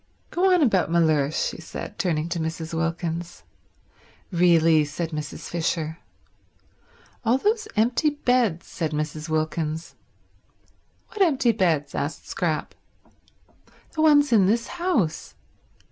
Go on about Mellersh," she said, turning to Mrs. Wilkins. "Really—" said Mrs. Fisher. "All those empty beds," said Mrs. Wilkins. "What empty beds?" asked Scrap. "The ones in this house.